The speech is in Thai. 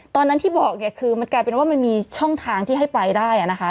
ตอนนั้นที่บอกเนี่ยคือมันกลายเป็นว่ามันมีช่องทางที่ให้ไปได้นะคะ